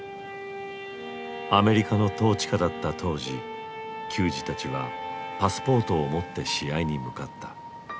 アメリカの統治下だった当時球児たちはパスポートを持って試合に向かった。